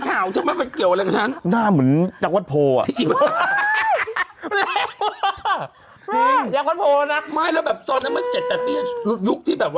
ใช่